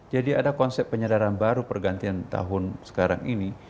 jadi ada konsep penyadaran baru pergantian tahun sekarang ini